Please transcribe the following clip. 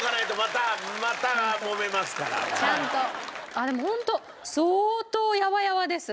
あっでもホント相当やわやわです。